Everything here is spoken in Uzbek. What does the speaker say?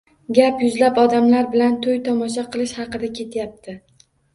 Gap yuzlab odamlar bilan toʻy-tomosha qilish haqida ketmayapti.